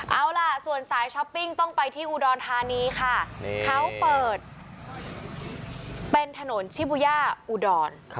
เอาล่ะส่วนสายช้อปปิ้งต้องไปที่อุดรธานีค่ะเขาเปิดเป็นถนนชิบูย่าอุดร